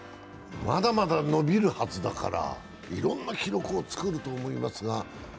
まだまだ伸びるはずだからいろんな記録をつくると思いますが。